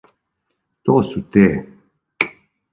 То су те!